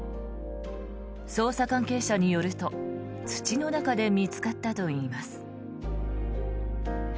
捜査関係者によると土の中で見つかったといいます。